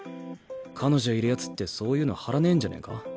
彼女いるヤツってそういうの貼らねぇんじゃねぇか？